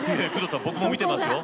僕も見てますよ。